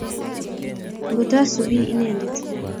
Ngot asubi lnendet